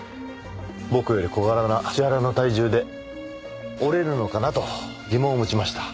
僕より小柄な千原の体重で折れるのかなと疑問を持ちました。